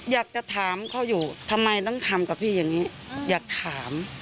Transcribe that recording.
อยากจะถามเขาอยู่ทำไมต้องทำกับพี่อย่างนี้อยากถาม